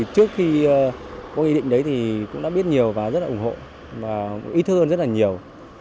trước khi có nghị định đấy thì cũng đã biết nhiều và rất là ủng hộ và ý thức hơn rất là nhiều